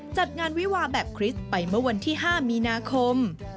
จัดงานวิวาแบบคริสต์ไปเมื่อวันที่๕มีนาคม